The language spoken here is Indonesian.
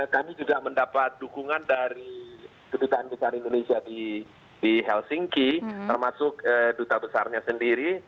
kami juga mendapat dukungan dari kedutaan besar indonesia di helsinki termasuk duta besarnya sendiri